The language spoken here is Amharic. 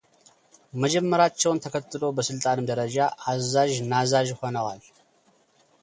መጀመራቸውን ተከትሎ በስልጣንም ደረጃ አዛዥ ናዛዥ ሆነዋል።